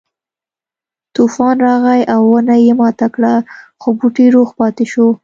طوفان راغی او ونه یې ماته کړه خو بوټی روغ پاتې شو.